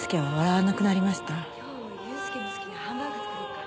今日祐介の好きなハンバーグ作るから。